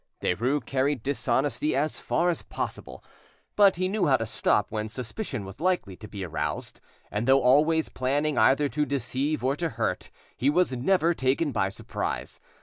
Derues carried dishonesty as far as possible, but he knew how to stop when suspicion was likely to be aroused, and though always planning either to deceive or to hurt, he was never taken by surprise.